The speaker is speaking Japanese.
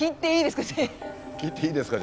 「切っていいですか？」